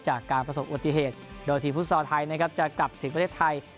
จากการประสบอุบัติเหตุโดยทีมฟุตซอลไทยนะครับจะกลับถึงประเทศไทย